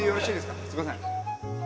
すいません。